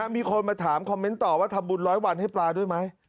มีคนมาถามคอมเมนต์ต่อว่าทำบุญร้อยวันให้ปลาด้วยไหม